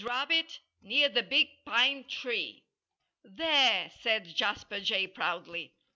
RABBIT, Near the Big Pine Tree. "There!" said Jasper Jay, proudly.